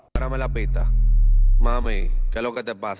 ปาชปาชปาชปาช